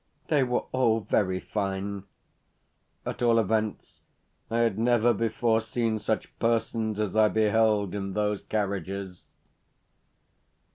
They were all very fine. At all events, I had never before seen such persons as I beheld in those carriages....